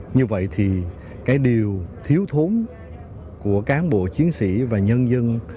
như vậy thì cái điều thiếu thốn của cán bộ chiến sĩ và nhân dân